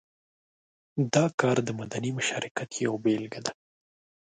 دا کار د مدني مشارکت یوه بېلګه ده.